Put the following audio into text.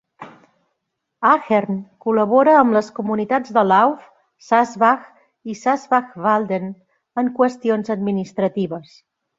Achern col·labora amb les comunitats de Lauf, Sasbach i Sasbachwalden en qüestions administratives.